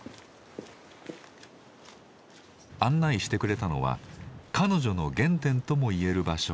案内してくれたのは彼女の原点ともいえる場所。